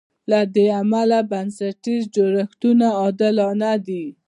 له دې امله بنسټیز جوړښتونه عادلانه دي.